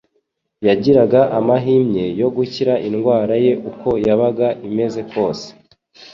yagiraga amahimye yo gukira indwara ye uko yabaga imeze kose.